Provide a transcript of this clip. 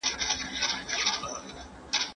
¬ واده يم، خبره نه يم چي په چا يم.